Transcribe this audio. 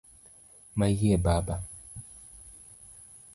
Mayie Baba!